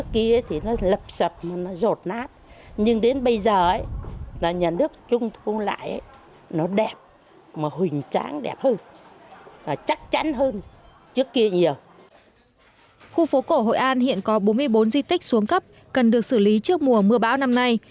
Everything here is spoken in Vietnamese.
khu phố cổ hội an hiện có bốn mươi bốn di tích xuống cấp cần được xử lý trước mùa mưa bão năm nay